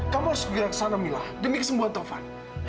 kamu harus pergi ke sana mila demi kesembuhan tovan